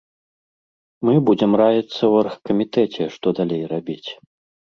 Мы будзем раіцца ў аргкамітэце, што далей рабіць.